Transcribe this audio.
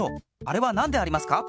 あれはなんでありますか？